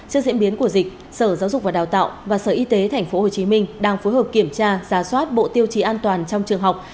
trước diễn biến của dịch sở giáo dục và đào tạo và sở y tế tp hcm đang phối hợp kiểm tra giả soát bộ tiêu chí an toàn trong trường học